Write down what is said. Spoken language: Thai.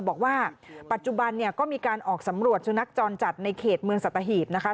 บอกว่าปัจจุบันเนี่ยก็มีการออกสำรวจสุนัขจรจัดในเขตเมืองสัตหีบนะคะ